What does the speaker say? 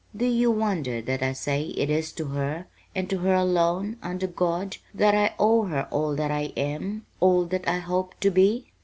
Do you wonder that I say it is to her, and to her alone, under God, that I owe all that I am, all that I hope to be?"